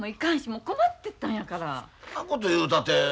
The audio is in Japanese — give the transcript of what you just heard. そんなこと言うたって。